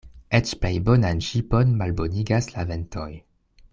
Eĉ plej bonan ŝipon malbonigas la ventoj.